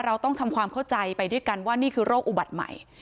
เราต้องทำความเข้าใจไปด้วยกันว่านี่คือโรคอุบัติใหม่